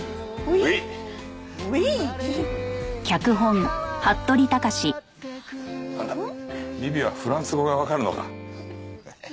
ビビはフランス語がわかるのか。